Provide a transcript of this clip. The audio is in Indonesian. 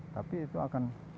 tapi itu akan